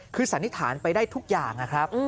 คือสันนิษฐานไปได้ทุกอย่างนะครับ